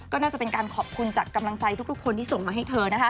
ก็น่าจะเป็นการขอบคุณจากกำลังใจทุกคนที่ส่งมาให้เธอนะคะ